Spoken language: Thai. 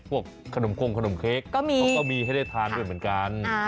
พวกขนมโค้งขนมเค้กก็มีก็มีให้ได้ทานด้วยเหมือนกันอ่า